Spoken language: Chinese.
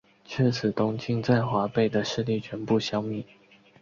至此东晋在华北的势力全部消灭。